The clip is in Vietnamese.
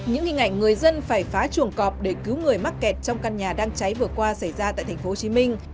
những hình ảnh người dân phải phá chuồng cọp để cứu người mắc kẹt trong căn nhà đang cháy vừa qua xảy ra tại tp hcm